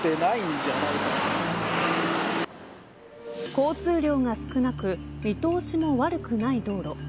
交通量が少なく見通しも悪くない道路。